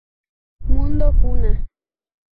Mundo Kuna